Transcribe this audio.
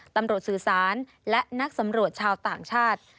สื่อสารและนักสำรวจชาวต่างชาติ